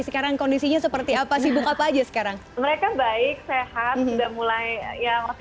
sekarang kondisinya seperti apa sibuk apa aja sekarang mereka baik sehat udah mulai ya waktu